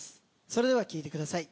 それでは聴いてください